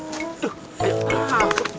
tau tau bilang takut